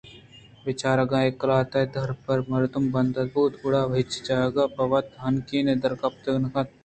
بچار اگاں اے قلات ءِ در پہ مردمءَ بند بوت گڑا ہچ جا گہ پہ وت ہنکین در گیتک نہ کنت